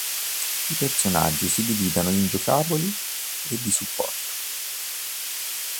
I personaggi si dividono in giocabili e di supporto.